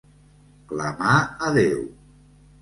Clamar a Déu.